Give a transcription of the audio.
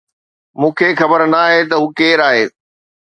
مون کي خبر ناهي ته هو ڪير آهي